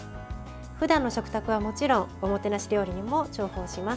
ふだんの食卓は、もちろんおもてなし料理にも重宝します。